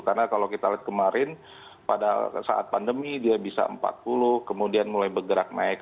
karena kalau kita lihat kemarin pada saat pandemi dia bisa empat puluh kemudian mulai bergerak naik lima puluh enam puluh